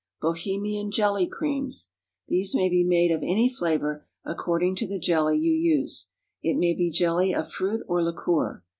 Bohemian Jelly Creams. These may be made of any flavor, according to the jelly you use. It may be jelly of fruit or liqueur.